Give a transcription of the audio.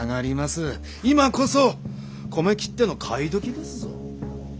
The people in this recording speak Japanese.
今こそ米切手の買い時ですぞ。